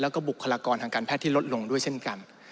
แล้วก็บุคลากรทางการแพทย์ที่ลดลงด้วยเช่นกัน